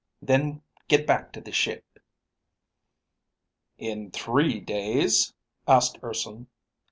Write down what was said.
Then get back to the ship." "In three days?" asked Urson.